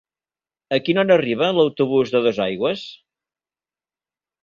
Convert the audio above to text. A quina hora arriba l'autobús de Dosaigües?